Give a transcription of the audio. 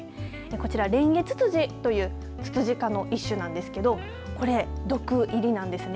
こちらレンゲツツジというつつじ科の一種なんですけどこれ毒入りなんですね。